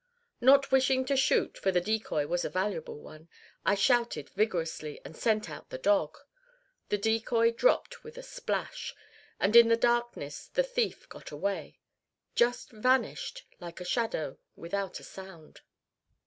Not wishing to shoot, for the decoy was a valuable one, I shouted vigorously, and sent out the dog. The decoy dropped with a splash, and in the darkness the thief got away just vanished, like a shadow, without a sound.